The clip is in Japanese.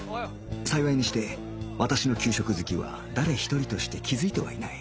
幸いにして私の給食好きは誰一人として気づいてはいない